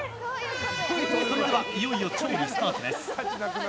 それではいよいよ調理スタートです！